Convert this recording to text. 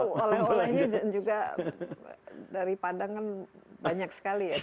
itu oleh olehnya juga dari padang kan banyak sekali ya